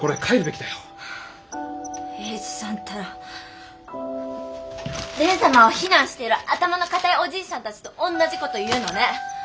はあ英治さんったら蓮様を非難している頭の固いおじいさんたちと同じ事言うのね。